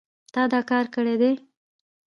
تا دا کار کړی دی